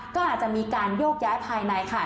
ก็อาจจะมีการโยกย้ายภายในค่ะ